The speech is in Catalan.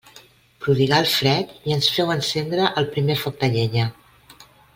Prodigà el fred i ens féu encendre el primer foc de llenya.